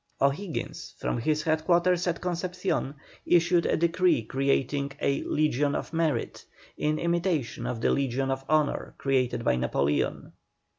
O'Higgins, from his headquarters at Concepcion, issued a decree creating a "Legion of Merit," in imitation of the Legion of Honour created by Napoleon.